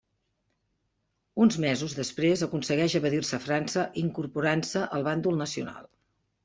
Uns mesos després aconsegueix evadir-se a França incorporant-se al bàndol nacional.